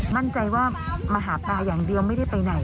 มั่นใจว่ามาหาปลาอย่างเดียวไม่ได้ไปไหน